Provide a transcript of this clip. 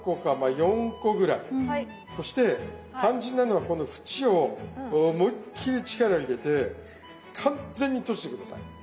そして肝心なのはこの縁を思いっ切り力入れて完全に閉じて下さい。